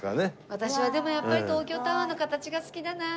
私はでもやっぱり東京タワーの形が好きだなあ。